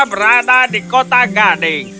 berada di kota gading